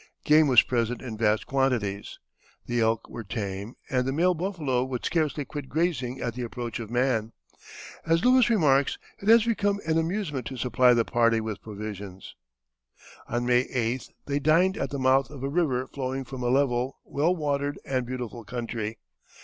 Game was present in vast quantities; the elk were tame, and the male buffalo would scarcely quit grazing at the approach of man. As Lewis remarks: "It has become an amusement to supply the party with provisions." On May 8th they dined at the mouth of a river flowing from a level, well watered, and beautiful country.